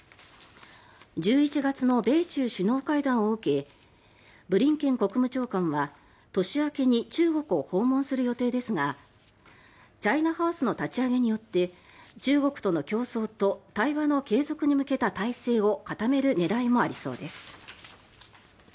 １１月の米中首脳会談を受けブリンケン国務長官は年明けに中国を訪問する予定ですがチャイナ・ハウスの立ち上げによって中国との競争と継続に向けた態勢を固める狙いもありそうです。